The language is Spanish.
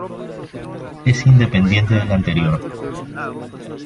Es independiente de la anterior.